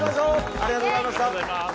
ありがとうございます。